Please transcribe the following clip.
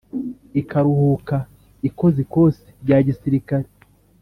ikaruhuka ikoze ikosi rya gisirikare,